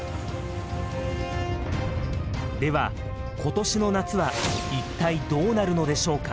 では今年の夏は一体どうなるのでしょうか？